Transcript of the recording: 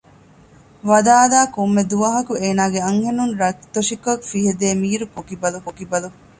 ވަދާދާ ކޮންމެ ދުވަހަކު އޭނާގެ އަންހެނުން ރަތްތޮށިކޮށް ފިހެދޭ މީރު ކުޑަކުޑަ ބޯކިބަލު